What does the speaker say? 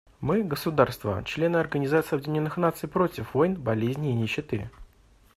Мы, государства — члены Организации Объединенных Наций, против войн, болезней и нищеты.